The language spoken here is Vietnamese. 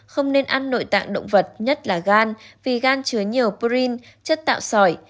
không nên ăn nội tạng động vật nhất là gan vì gan chứa nhiều prine chất tạo sỏi